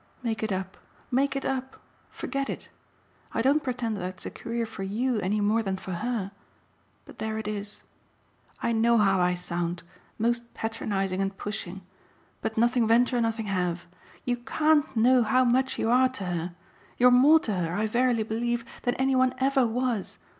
Make it up, make it up forget it. I don't pretend that's a career for YOU any more than for her; but there it is. I know how I sound most patronising and pushing; but nothing venture nothing have. You CAN'T know how much you are to her. You're more to her, I verily believe, than any one EVER was.